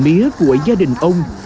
mía của gia đình ông